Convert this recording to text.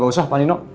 gak usah panino